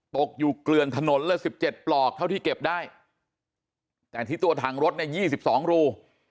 ตกอยู่เกลือนถนนเลย๑๗ปลอกเท่าที่เก็บได้แต่ที่ตัวถังรถเนี่ย๒๒รู